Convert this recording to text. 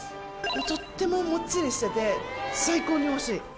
とってももっちりしてて最高においしい。